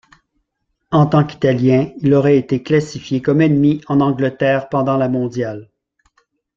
En tant qu'italien, il aurait été classifié comme ennemi en Angleterre pendant la mondiale.